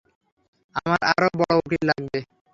আমার আরও বড় উকিল লাগবে।